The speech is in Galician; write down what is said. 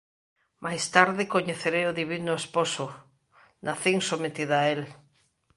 Máis tarde coñecerei o divino Esposo! Nacín sometida a El.